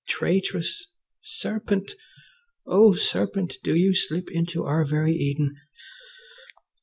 Traitress! Serpent! Oh, Serpent! do you slip into our very Eden?